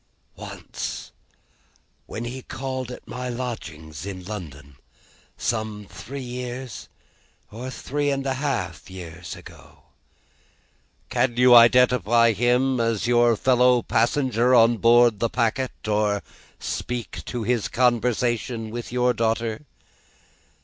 "Once. When he called at my lodgings in London. Some three years, or three years and a half ago." "Can you identify him as your fellow passenger on board the packet, or speak to his conversation with your daughter?"